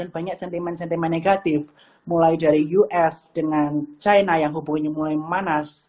banyak sentimen sentimen negatif mulai dari us dengan china yang hubungannya mulai memanas